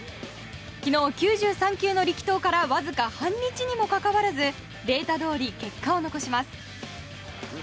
昨日、９３球の力投からわずか半日にもかかわらずデータどおり結果を残します。